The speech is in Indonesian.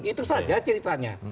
itu saja ceritanya